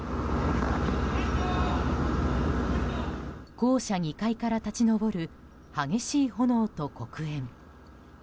校舎２階から立ち上る激しい炎と黒煙。